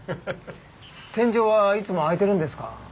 天井はいつも開いてるんですか？